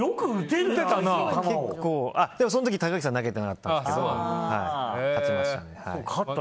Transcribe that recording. その時、高岸さん投げてなかったんですけど勝ちました。